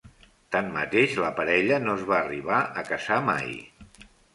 Tanmateix, la parella no es va arribar a casar mai.